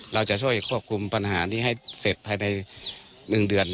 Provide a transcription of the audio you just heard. เราจะช่วยควบคุมปัญหานี้ให้เสร็จภายใน๑เดือน